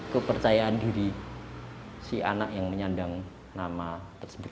kepercayaan diri si anak yang menyandang nama tersebut